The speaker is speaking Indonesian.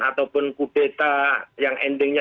ataupun kubeta yang endingnya